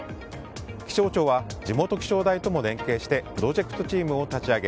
気象庁は地元気象台とも連携してプロジェクトチームを立ち上げ